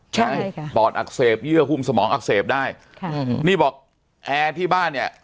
ใช่ค่ะปอดอักเสบเยื่อหุ้มสมองอักเสบได้ค่ะนี่บอกแอร์ที่บ้านเนี่ย